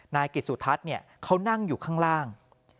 นายกิจสุทัศน์เขานั่งอยู่ข้างล่าง